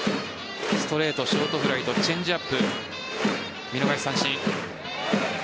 ストレート、ショートフライとチェンジアップ見逃し三振。